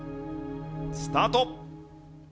スタート。